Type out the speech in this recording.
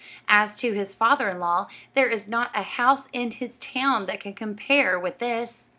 As to his father in law, there is not a house in his town that can compare with this."